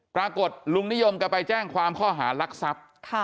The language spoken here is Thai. ปรากฏลุงนิยมกลับไปแจ้งความข้อหารักษัพ